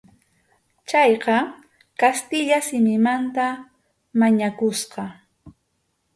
Chayqa kastilla simimanta mañakusqa.